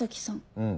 うん。